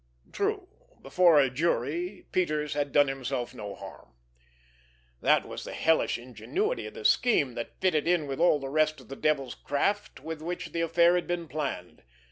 True, before a jury, Peters had done himself no harm—that was the hellish ingenuity of the scheme that fitted in with all the rest of the devil's craft with which the affair had been planned.